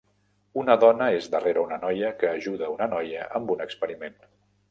Una dona és darrere una noia que ajuda una noia amb un experiment